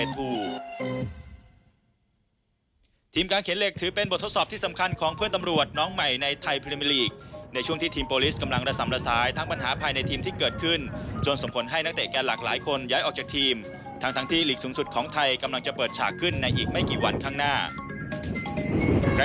ทีมการเขียนเหล็กถือเป็นบททดสอบที่สำคัญของเพื่อนตำรวจน้องใหม่ในไทยพรีเมอร์ลีกในช่วงที่ทีมโปรลิสกำลังระสำละซ้ายทั้งปัญหาภายในทีมที่เกิดขึ้นจนส่งผลให้นักเตะแกนหลักหลายคนย้ายออกจากทีมทั้งที่หลีกสูงสุดของไทยกำลังจะเปิดฉากขึ้นในอีกไม่กี่วันข้างหน้า